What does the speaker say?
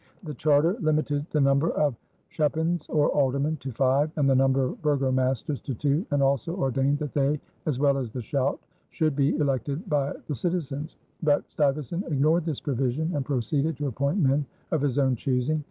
The charter limited the number of schepens or aldermen to five and the number of burgomasters to two, and also ordained that they as well as the schout should be elected by the citizens; but Stuyvesant ignored this provision and proceeded to appoint men of his own choosing.